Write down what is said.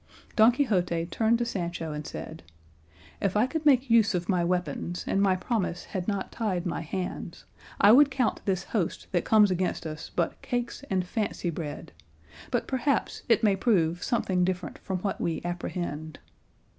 Don Quixote turned to Sancho and said, "If I could make use of my weapons, and my promise had not tied my hands, I would count this host that comes against us but cakes and fancy bread; but perhaps it may prove something different from what we apprehend."